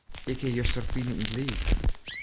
Ik hie juster pine yn 't liif.